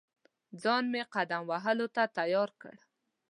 ځان مې قدم وهلو ته تیار کړ.